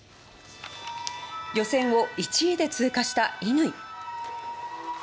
予選を１位で通過した乾。